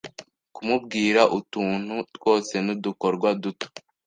Kumubwira utuntu twose, n’udukorwa duto